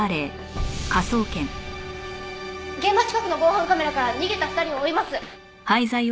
現場近くの防犯カメラから逃げた２人を追います。